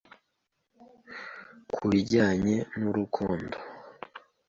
ku bijyanye n’urukundo.